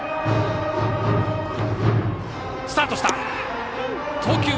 スタートした！